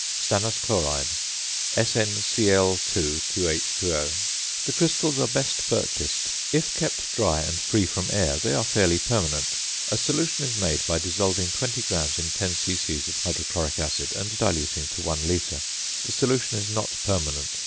~Stannous Chloride~, SnCl_.2H_O. The crystals are best purchased. If kept dry and free from air they are fairly permanent. A solution is made by dissolving 20 grams in 10 c.c. of hydrochloric acid and diluting to 1 litre. The solution is not permanent.